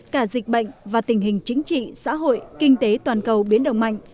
cả dịch bệnh và tình hình chính trị xã hội kinh tế toàn cầu biến động mạnh